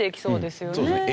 そうですね。